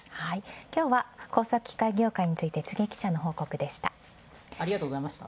今日は工作機械業界についての柘植記者の報告でした。